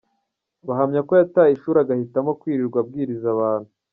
Bahamya ko yataye ishuri agahitamo kwirirwa abwiriza abantu.